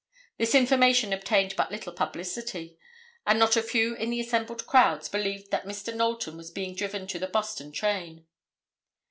This information obtained but little publicity, and not a few in the assembled crowds believed that Mr. Knowlton was being driven to the Boston train.